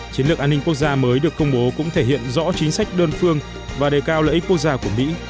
chiến lược an ninh quốc gia mới được công bố cũng thể hiện rõ chính sách đơn phương và đề cao lợi ích quốc gia của mỹ